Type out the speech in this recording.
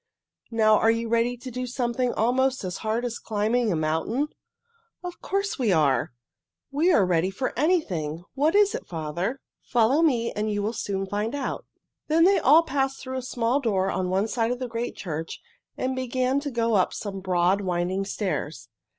Now are you ready to do something almost as hard as climbing a mountain?" "Of course we are! We are ready for anything. What is it, father?" "Follow me and you will soon find out." Then they all passed through a small door on one side of the great church and began to go up some broad, winding stairs.